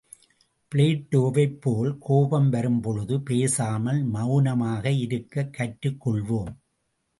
பிளேட்டோவைப்போல் கோபம் வரும் பொழுது பேசாமல் மெளனமாக இருக்கக் கற்றுக்கொள்வோம்!